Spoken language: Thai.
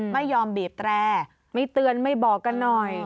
ไม่ยอมบีบแตรไม่เตือนไม่บอกกันหน่อย